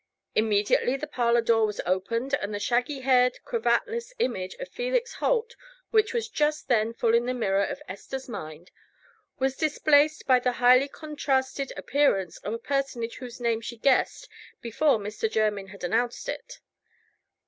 Immediately the parlor door was opened and the shaggy haired, cravatless image of Felix Holt, which was just then full in the mirror of Esther's mind, was displaced by the highly contrasted appearance of a personage whose name she guessed before Mr. Jermyn had announced it.